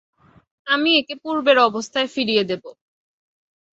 আমি একে পূর্বের অবস্থায় ফিরিয়ে দেব।